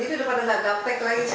ini sudah pada tidak gaptek lagi